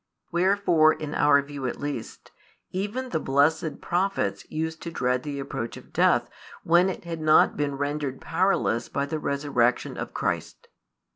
Wherefore, in our view at least, even the blessed prophets used to dread the approach of death |226 when it had not yet been rendered powerless by the Resurrection of Christ.